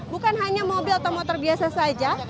bukan hanya mobil atau motor biasa saja